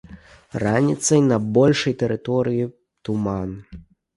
Раніцай на большай тэрыторыі туман.